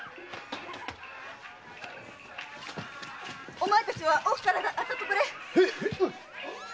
お前たちは奥から当たっとくれ。